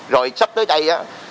rồi sắp tới đây